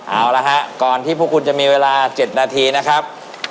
เอาละฮะก่อนที่พวกคุณจะมีเวลา๗นาทีนะครับ